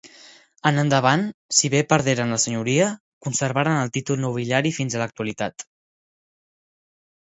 En endavant, si bé perderen la senyoria, conservaren el títol nobiliari fins a l'actualitat.